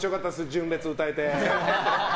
純烈歌えて。